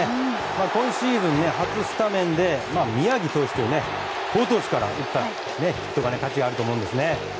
今シーズン初スタメンで宮城投手という好投手から打ったヒットなので価値があると思いますね。